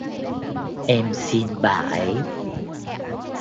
Em xin bà ấy